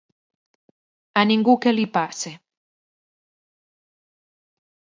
A ningú que li passe